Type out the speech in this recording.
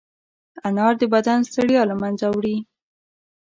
انار د بدن ستړیا له منځه وړي.